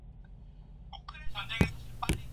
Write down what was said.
맥이 풀린 손을 내저으며 머리를 흔들었다.